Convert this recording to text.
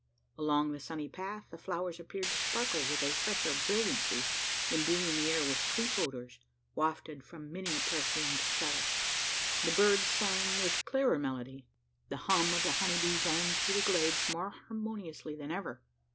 Along the sunny path, the flowers appeared to sparkle with a fresher brilliancy imbuing the air with sweet odours, wafted from many a perfumed chalice. The birds sang with clearer melody; and the hum of the honey bee rang through the glades more harmoniously than ever.